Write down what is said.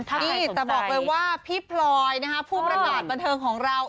นี่แต่บอกเลยว่าพี่พลอยผู้ประกาศบันเทิงของเรา